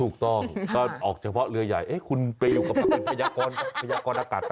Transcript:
ถูกต้องก็ออกเฉพาะเรือใหญ่เอ๊ะคุณไปอยู่กับมันเป็นพยากรอากาศป่ะ